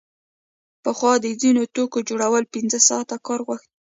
پخوا د ځینو توکو جوړول پنځه ساعته کار غوښت